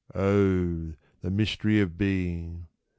Oh, the mystery of being